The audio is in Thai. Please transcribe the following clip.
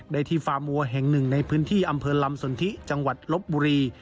ได้ที่ฟาร์มวัวแห่งหนึ่งในพื้นที่อำเภอลำสนทิจังหวัดลบบุรี